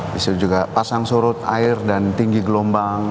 di situ juga pasang surut air dan tinggi gelombang